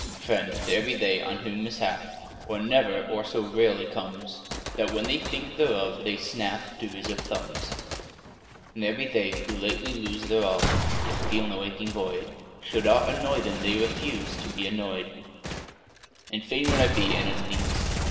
FRIEND, there be they on whom mishap Or never or so rarely comes, That, when they think thereof, they snap Derisive thumbs: And there be they who lightly lose Their all, yet feel no aching void; Should aught annoy them, they refuse To be annoy'd: And fain would I be e'en as these!